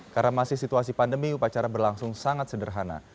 karena masih situasi pandemi upacara berlangsung sangat sederhana